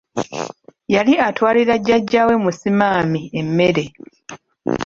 Yali atwalira Jjajja we Musimami emmere.